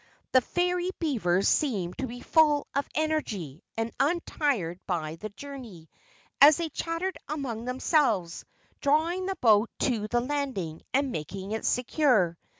The fairy beavers seemed to be full of energy and untired by the journey, as they chattered among themselves, drawing the boat to the landing and making it secure.